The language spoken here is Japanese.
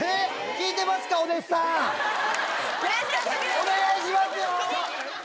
お願いしますよ！